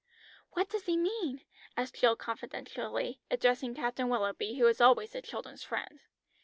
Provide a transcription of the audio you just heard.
"What does he mean?" asked Jill confidentially, addressing Captain Willoughby, who was always the children's friend.